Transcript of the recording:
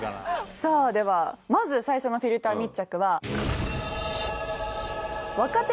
さあではまず最初のフィルター密着は。